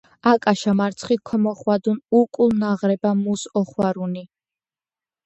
აკაშა მარცხი ქომოხვადუნ უკულ ნარღება მუს ოხვარუნი